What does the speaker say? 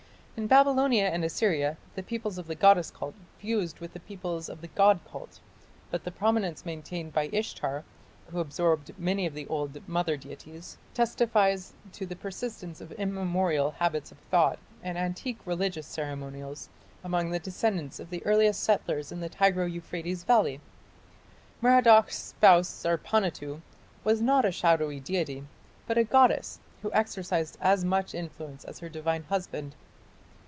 In Babylonia and Assyria the peoples of the goddess cult fused with the peoples of the god cult, but the prominence maintained by Ishtar, who absorbed many of the old mother deities, testifies to the persistence of immemorial habits of thought and antique religious ceremonials among the descendants of the earliest settlers in the Tigro Euphrates valley. Merodach's spouse Zerpanituᵐ was not a shadowy deity but a goddess who exercised as much influence as her divine husband.